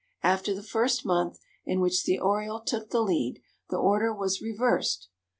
After the first month, in which the oriole took the lead, the order was reversed.